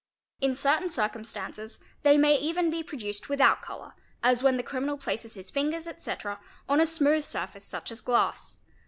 In certain circum stances they may even be produced without colour as when the criminal places his fingers, etc., on a smooth surface such as glass.